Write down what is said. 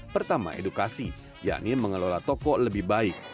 pertama edukasi yakni mengelola toko lebih baik